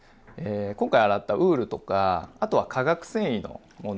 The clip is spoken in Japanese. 今回洗ったウールとかあとは化学繊維の物